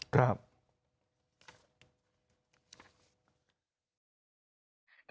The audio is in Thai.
ครับ